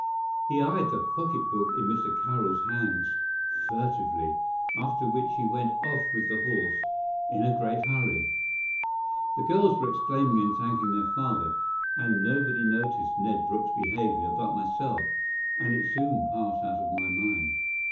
He eyed the pocketbook in Mr. Carroll's hands furtively, after which he went off with the horse in a great hurry. The girls were exclaiming and thanking their father, and nobody noticed Ned Brooke's behaviour but myself, and it soon passed out of my mind.